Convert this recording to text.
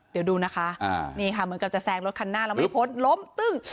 เดี๋ยวดูนะคะนี่ค่ะเหมือนกับจะแซงรถคันหน้าแล้วไม่พ้นล้มตึ้ง